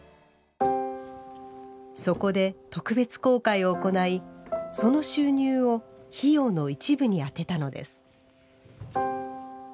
そこで特別公開を行いその収入を費用の一部に充てたのです。